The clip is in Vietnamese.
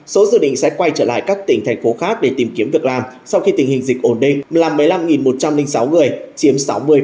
số dự định sẽ quay trở lại các tỉnh thành phố khác để tìm kiếm việc làm sau khi tình hình dịch ổn định là một mươi năm một trăm linh sáu người chiếm sáu mươi